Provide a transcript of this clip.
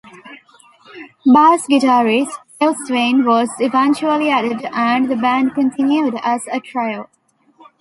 Bass guitarist Dave Swain was eventually added and the band continued as a trio.